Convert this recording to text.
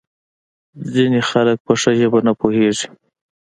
ځینې خلک په ښه ژبه نه پوهیږي.